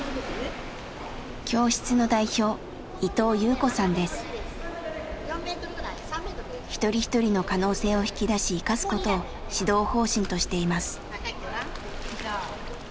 教室の代表一人一人の可能性を引き出し生かすことを指導方針としています。